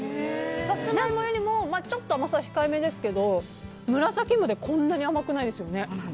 サツマイモよりもちょっと甘さは控えめですけど紫芋ってこんなに甘くないですよね。